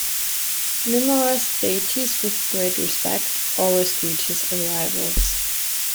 Numerous deities with great respect always greet his arrivals.